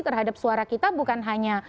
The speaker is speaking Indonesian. terhadap suara kita bukan hanya